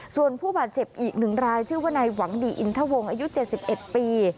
ส่วนผู้บาดเจ็บอีก๑รายชื่อว่านายหวังดีอินทวงอายุ๗๑ปี